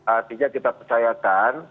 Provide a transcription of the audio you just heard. artinya kita percayakan